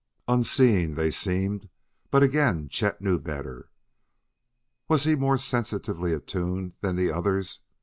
Unseeing they seemed, but again Chet knew better. Was he more sensitively attuned than the others?